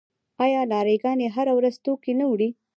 آیا لاری ګانې هره ورځ توکي نه وړي؟